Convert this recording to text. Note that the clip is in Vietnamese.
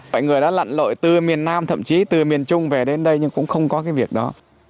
mọi người đã lặn lội từ miền nam thậm chí từ miền trung về đến đây nhưng cũng không có cái việc đó